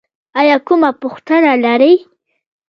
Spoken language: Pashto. ایا کومه پوښتنه لرئ؟